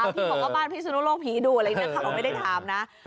ที่บอกว่าบ้านพิศนุโลกผีดูอะไรนักข่าวไม่ได้ถามนะ